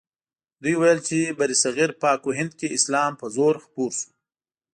دوی ویل چې برصغیر پاک و هند کې اسلام په زور خپور شو.